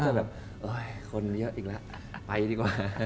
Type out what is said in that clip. ก็แบบคนเยอะอีกแล้วไปดีกว่า